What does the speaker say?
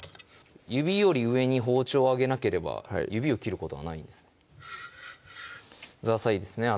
指より上に包丁を上げなければ指を切ることはないんですねザーサイですね